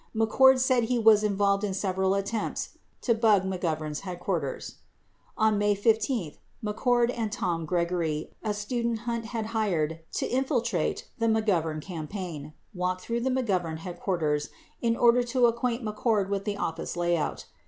McCord said he was involved in several attempts to bug McGovern's headquarters. 20 On May 15, McCord and Tom Gregory, a student Hunt had hired to infiltrate the McGovern campaign, walked through the McGovern headquarters in order to acquaint McCord with the office layout.